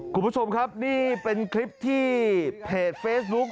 คุณผู้ชมครับนี่เป็นคลิปที่เพจเฟซบุ๊ค